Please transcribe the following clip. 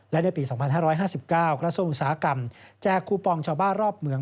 และในปี๒๕๕๙กระทรวงอุตสาหกรรมแจกคูปองชาวบ้านรอบเมือง